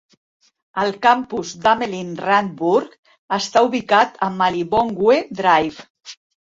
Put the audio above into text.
El campus Damelin Randburg està ubicat a Malibongwe Drive.